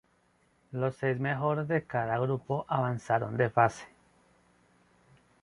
Los seis mejores de cada grupo avanzaron de fase.